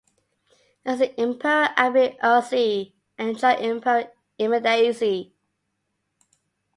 As an imperial abbey Irsee enjoyed Imperial immediacy.